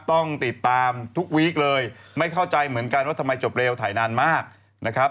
ต้องติดตามทุกวีคเลยไม่เข้าใจเหมือนกันว่าทำไมจบเร็วถ่ายนานมากนะครับ